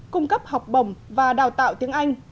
cung cấp học bổng và đào tạo tiếng anh